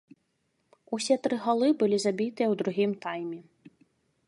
Усе тры галы былі забітыя ў другім тайме.